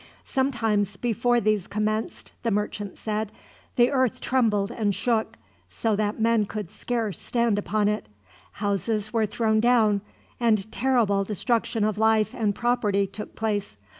"Sometimes before these commenced," the merchant said, "the earth trembled and shook, so that men could scarce stand upon it: Houses were thrown down, and terrible destruction of life and property took place.